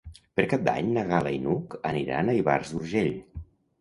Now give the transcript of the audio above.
Per Cap d'Any na Gal·la i n'Hug aniran a Ivars d'Urgell.